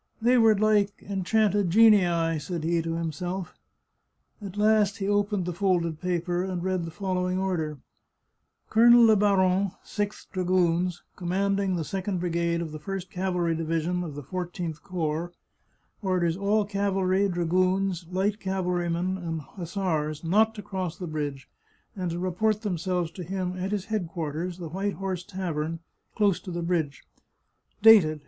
" They were like enchanted genii," said he to himself. At last he opened the folded paper, and read the following order: " Colonel Le Baron, Sixth Dragoons, commanding the Second Brigade of the First Cavalry Division of the Four teenth Corps, orders all cavalry, dragoons, light cavalry men, and hussars not to cross the bridge, and to report themselves to him at his headquarters, the White Horse Tavern, close to the bridge. " Dated.